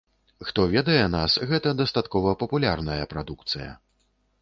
Хто ведае нас, гэта дастаткова папулярная прадукцыя.